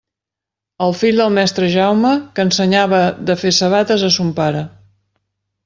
El fill del mestre Jaume, que ensenyava de fer sabates a son pare.